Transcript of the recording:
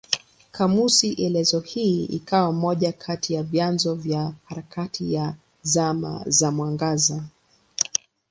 Kamusi elezo hii ikawa moja kati ya vyanzo vya harakati ya Zama za Mwangaza.